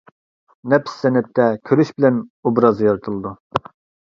نەپىس سەنئەتتە كۆرۈش بىلەن ئوبراز يارىتىلىدۇ.